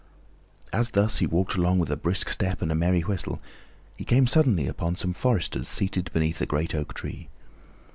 As thus he walked along with a brisk step and a merry whistle, he came suddenly upon some foresters seated beneath a great oak tree.